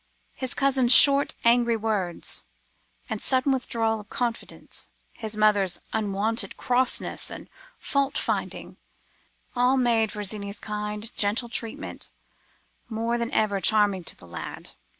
His cousin's short, angry words, and sudden withdrawal of confidence,—his mother's unwonted crossness and fault finding, all made Virginie's kind, gentle treatment, more than ever charming to the lad.